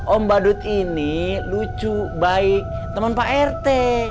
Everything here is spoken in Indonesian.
om badut ini lucu baik teman pak rt